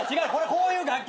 こういう楽曲。